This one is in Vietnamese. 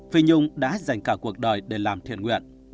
phi nhung đã dành cả cuộc đời để làm thiền nguyện